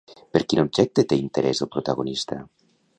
Per quin objecte té interès el protagonista?